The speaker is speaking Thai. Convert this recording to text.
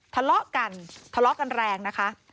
ทะเลาะกันทะเลาะกันแรงนะคะ